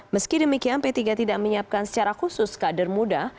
meski demikian p tiga tidak menyiapkan secara khusus kader muda